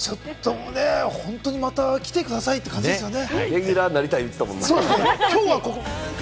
本当に、また来てくださいって感じですね。